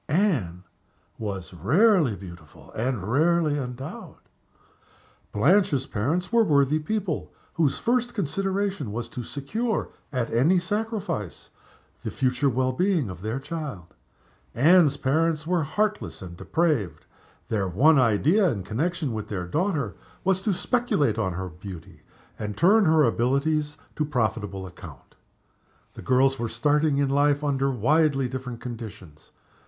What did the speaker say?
Anne was rarely beautiful and rarely endowed. Blanche's parents were worthy people, whose first consideration was to secure, at any sacrifice, the future well being of their child. Anne's parents were heartless and depraved. Their one idea, in connection with their daughter, was to speculate on her beauty, and to turn her abilities to profitable account. The girls were starting in life under widely different conditions.